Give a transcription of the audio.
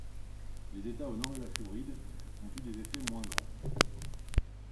Les États au nord de la Floride ont eu des effets moins grands.